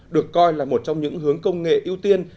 được coi là một trong những hướng công nghệ ưu tiên